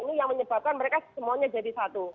ini yang menyebabkan mereka semuanya jadi satu